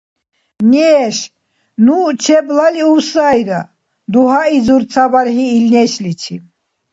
— Неш, ну чеблалиув сайра, — дугьаизур ца бархӀи ил нешличи.